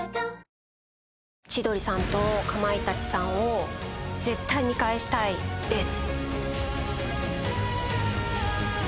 千鳥さんとかまいたちさんを絶対見返したいです。